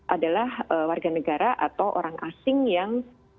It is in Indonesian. adalah warga negara atau orang asing yang